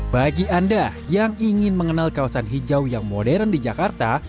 bagi anda yang ingin mengenal kawasan hijau yang modern di jakarta